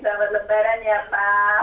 selamat lebaran ya pak